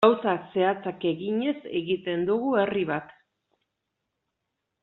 Gauza zehatzak eginez egiten dugu herri bat.